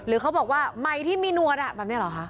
หรือเขาบอกว่าใหม่ที่มีหนวดอ่ะแบบเนี้ยเหรอคะ